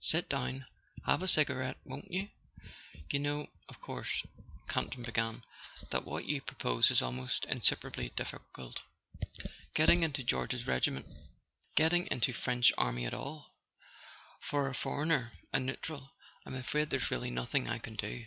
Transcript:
"Sit down—have a cigarette, won't you ?—You know, of course," Campton began, "that what you propose is almost insuperably difficult?" "Getting into George's regiment?" "Getting into the French army at all—for a for¬ eigner, a neutral. .. I'm afraid there's really nothing I can do."